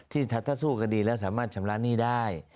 ถ้าสู้คดีแล้วสามารถชำระหนี้ได้